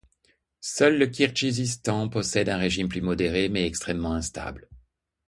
Seul le Kirghizistan possède un régime plus modéré mais extrêmement instable.